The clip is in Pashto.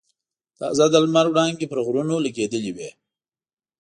تازه د لمر وړانګې پر غرونو لګېدلې وې.